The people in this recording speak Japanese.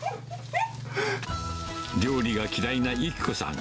料理が嫌いな由希子さん。